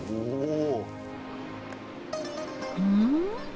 うん？